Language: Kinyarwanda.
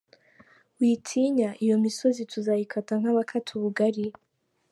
Witinya, iyo misozi tuzayikata nk’abakata ubugari.